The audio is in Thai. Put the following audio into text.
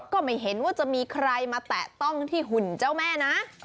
ก็ไม่เห็นว่าจะมีใครมาแตะต้องที่หุ่นเจ้าแม่นะ